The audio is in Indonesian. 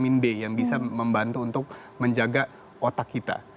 karena itu ada vitamin b yang bisa membantu untuk menjaga otak kita